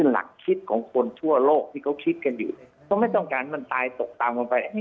หลักคิดของคนทั่วโลกที่เขาคิดกันอยู่ไหมเพราะไม่ต้องการทำตายตกตามกันไป